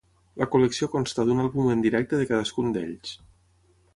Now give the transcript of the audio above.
La col·lecció consta d'un àlbum en directe de cadascun d'ells.